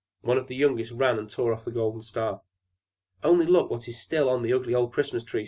One of the youngest ran and tore off the golden star. "Only look what is still on the ugly old Christmas tree!"